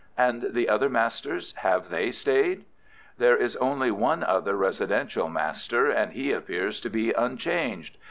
"And the other masters? Have they stayed?" "There is only one other residential master, and he appears to be unchanged.